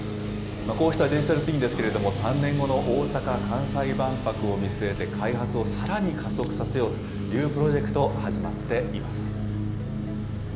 こうしたデジタルツインですけれども、３年後の大阪・関西万博を見据えて、開発をさらに加速させようというプロジェクト始まっています。